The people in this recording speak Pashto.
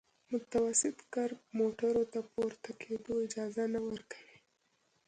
متوسط کرب موټرو ته د پورته کېدو اجازه نه ورکوي